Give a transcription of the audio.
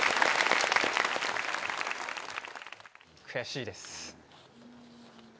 悔しいです。